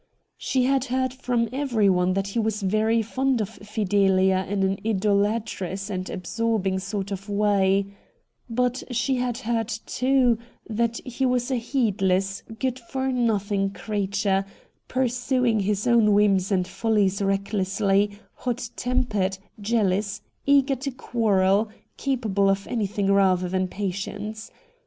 She had heard from everyone that he was very fond of Fidelia in an idolatrous and absorbing sort of way ; but she had heard, too, that he was a heedless, good for nothing creature, pursuing his own whims and follies recklessly, hot tempered, jealous, eager to quarrel, capable of anything rather than patience.